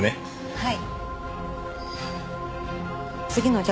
はい。